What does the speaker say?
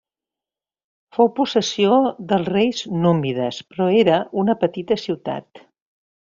Fou possessió dels reis númides però era una petita ciutat.